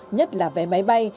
nhất là vé máy bay